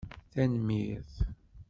Tanemmirt